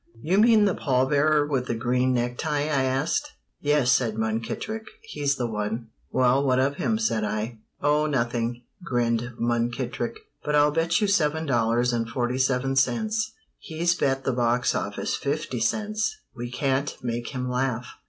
"You mean the pall bearer with the green necktie?" I asked. "Yes," said Munkittrick, "he's the one." "Well what of him?" said I. "Oh, nothing," grinned Munkittrick, "but I'll bet you seven dollars and forty seven cents he's bet the boxoffice fifty cents we can't make him laugh."